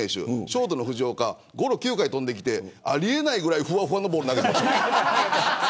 ショートの藤岡ゴロ、９回飛んできてありえないぐらい、ふわふわのボール投げていました。